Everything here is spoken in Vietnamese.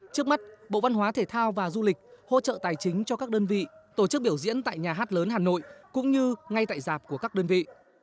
trước mắt bộ văn hóa thể thao và du lịch hỗ trợ tài chính cho các đơn vị tổ chức biểu diễn tại nhà hát lớn hà nội cũng như ngay tại giảm của các đơn vị